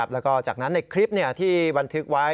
แล้วก็จากนั้นในคลิปที่บันทึกไว้